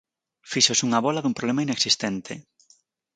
Fíxose unha bóla dun problema inexistente.